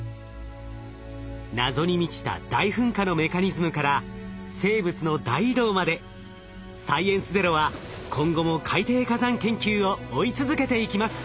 謎に満ちた大噴火のメカニズムから生物の大移動まで「サイエンスＺＥＲＯ」は今後も海底火山研究を追い続けていきます。